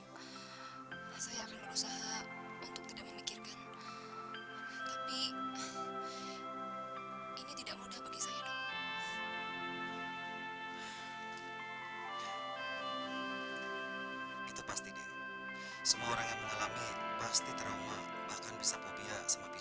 kalau masalah perempuan itu sepertinya ada urusan sama aku